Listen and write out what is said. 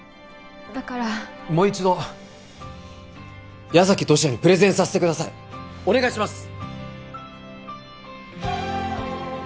だからもう一度矢崎十志也にプレゼンさせてくださいお願いします